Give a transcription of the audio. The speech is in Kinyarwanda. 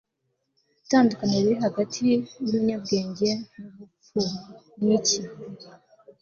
itandukaniro riri hagati yumunyabwenge nubupfu ni iki